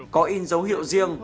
có in dấu hiệu riêng